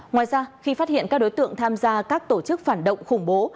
ngoài ra khi phát hiện các đối tượng tham gia các tổ chức phản động khủng bố